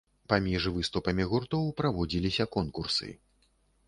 Паміж выступамі гуртоў праводзіліся конкурсы.